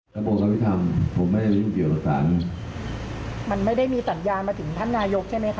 กระบวนการยุติธรรมผมไม่ได้มีสัญญาณมาถึงท่านนายกรรมใช่ไหมคะ